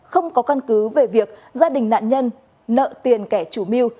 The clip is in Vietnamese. không có căn cứ về việc gia đình nạn nhân nợ tiền kẻ chủ mưu